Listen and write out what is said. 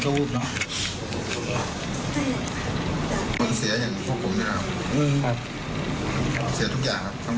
โอ้โหดูสภาพนะ